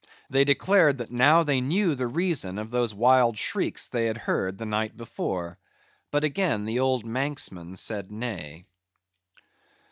They declared that now they knew the reason of those wild shrieks they had heard the night before. But again the old Manxman said nay.